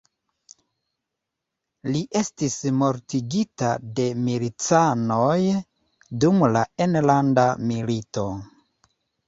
Li estis mortigita de milicanoj dum la enlanda milito.